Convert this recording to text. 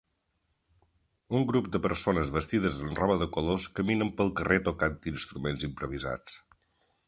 Un grup de persones vestides amb roba de colors caminen pel carrer tocant instruments improvisats.